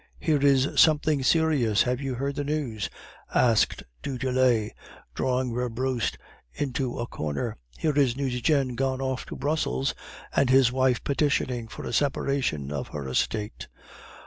'Here is something serious; have you heard the news?' asked du Tillet, drawing Werbrust into a corner. 'Here is Nucingen gone off to Brussels, and his wife petitioning for a separation of her estate.